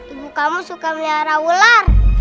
ibu kamu suka melihara ular